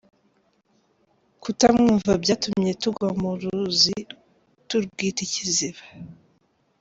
Kutamwumva byatumye tugwa mu ruzi turwita ikiziba.”